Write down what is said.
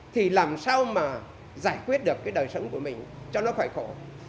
thì làm sao mà giải quyết được cái đời sống của mình cho nó phải khổ